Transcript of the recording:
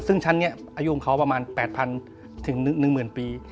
ซึ่งชั้นนี้อายุของเขาประมาณ๘๐๐๑๐๐ปี